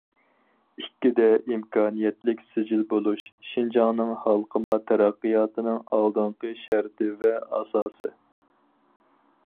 ‹‹ ئىككىدە ئىمكانىيەتلىك سىجىل بولۇش›› شىنجاڭنىڭ ھالقىما تەرەققىياتىنىڭ ئالدىنقى شەرتى ۋە ئاساسى.